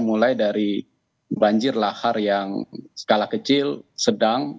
mulai dari banjir lahar yang skala kecil sedang